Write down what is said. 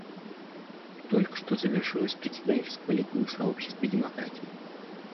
Только что завершилось председательство Литвы в Сообществе демократий.